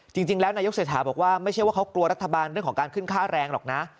จริงแล้วนายกเศรษฐาบอกว่าไม่ใช่ว่าเขากลัวรัฐบาลเรื่องของการขึ้นค่าแรงหรอกนะ